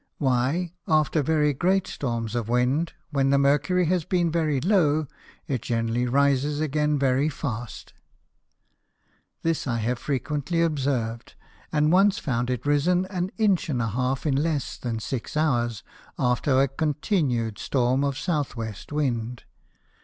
Why after very great Storms of Wind, when the Mercury has been very low, it generally rises again very fast? This I have frequently observed, and once found it risen an Inch and a half in less than six Hours, after a long continu'd Storm of South West Wind.